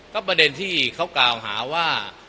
ก็ประเด็นที่เขากล่าวหาว่า